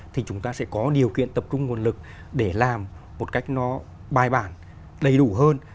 thì chúng ta sẽ có điều kiện tập trung nguồn lực để làm một cách nó bài bản đầy đủ hơn